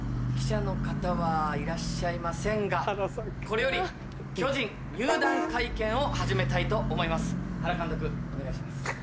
記者の方はいらっしゃいませんがこれより巨人入団会見を始めたいと思います。